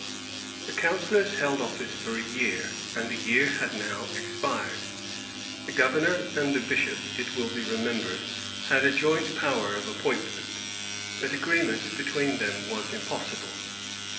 ^ The councillors held office for a year, and the year had now expired. The governor and the bishop, it will be remembered, had a joint power of appoint ment; but agreement between them was impossible.